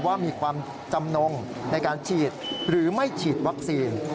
ว่ามีความจำนงในการฉีดหรือไม่ฉีดวัคซีน